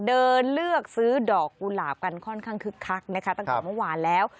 เลือกซื้อดอกกุหลาบกันค่อนข้างคึกคักนะคะตั้งแต่เมื่อวานแล้ว